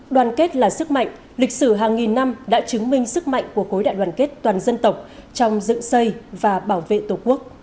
đoàn kết là sức mạnh lịch sử hàng nghìn năm đã chứng minh sức mạnh của cối đại đoàn kết toàn dân tộc trong dựng xây và bảo vệ tổ quốc